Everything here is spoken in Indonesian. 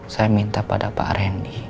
saya minta pada pak randy